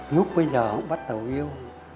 lúc bây giờ bắt đầu yêu